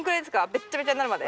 べっちゃべちゃになるまで？